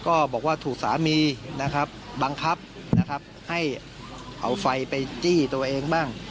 ก็บอกว่าถูกสามีนะครับบังคับนะครับให้เอาไฟไปจี้ตัวเองบ้าง